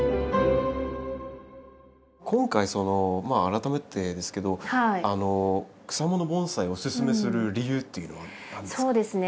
今回改めてですけど草もの盆栽をおすすめする理由っていうのは何ですか？